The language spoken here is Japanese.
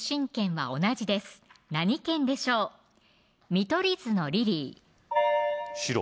見取り図のリリー白